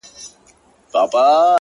o دا چي له کتاب سره ياري کوي،